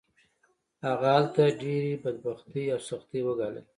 هغه هلته ډېرې بدبختۍ او سختۍ وګاللې